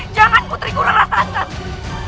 jangan putriku rana santai